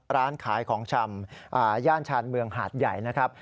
ร้านขายของชำย่านชานเมืองหาดใหญ่นะครับ